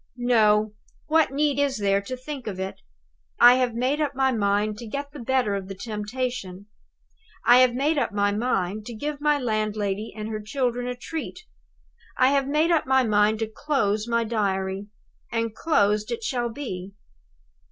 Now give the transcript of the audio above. No! What need is there to think of it? I have made up my mind to get the better of the temptation. I have made up my mind to give my landlady and her children a treat; I have made up my mind to close my Diary. And closed it shall be.